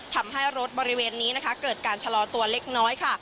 ทำให้รถบริเวณนี้นะคะเกิดการชะลอตัวเล็กน้อยค่ะ